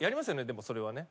でもそれはね。